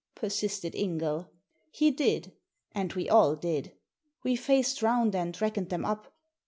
" persisted Ingall. He did, and we all did. We faced round and reckoned them up.